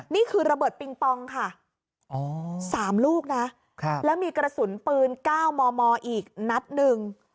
นี่คือระเบิดปิงปองค่ะ๓ลูกนะแล้วมีกระสุนปืน๙มมอีกนัดหนึ่ง